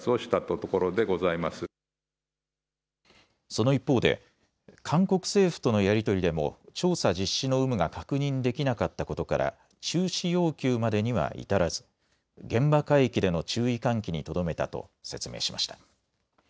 その一方で韓国政府とのやり取りでも調査実施の有無が確認できなかったことから中止要求までには至らず現場海域での注意喚起にとどめたと説明しました。